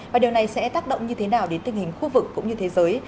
và điều này sẽ tác động như thế nào đến tình hình khu vực cũng như thế giới